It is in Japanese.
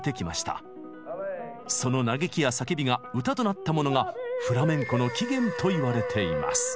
その嘆きや叫びが歌となったものがフラメンコの起源といわれています。